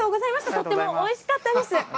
とてもおいしかったです。